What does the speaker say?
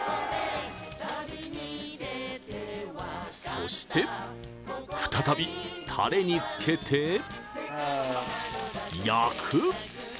そして再びタレにつけて焼く！